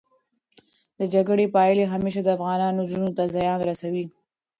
د جګړې پايلې همېشه د افغانانو زړونو ته زیان رسوي.